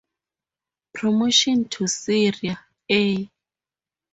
Promotion to Seria A.